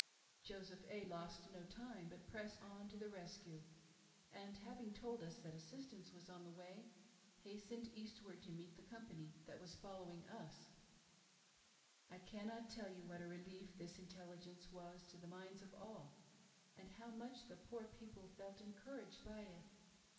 Joseph A. lost no time, but pressed on to the rescue, and having told us that assistance was on the way, 228 A wife's devotion :— THE ONLY CHANCE FOR LIFE. hastened eastward to meet the company that was following us. " I cannot tell you what a relief this intelligence was to the minds of all, alid how much the poor people felt encouraged ' by it.